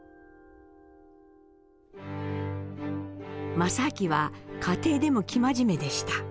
政亮は家庭でも生真面目でした。